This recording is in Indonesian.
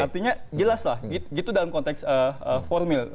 artinya jelas lah gitu dalam konteks formil